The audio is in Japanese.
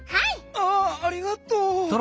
ああありがとう。